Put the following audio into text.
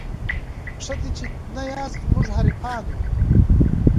ښه دی چي نه یاست زما حریفانو